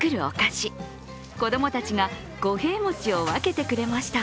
子供たちが五平餅を分けてくれました。